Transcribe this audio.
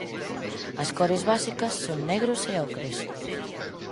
As cores básicas son negros e ocres.